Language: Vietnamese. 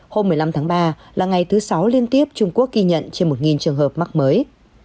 hôm một mươi năm tháng ba là ngày thứ sáu liên tiếp trung quốc ghi nhận trên một trường hợp mắc mới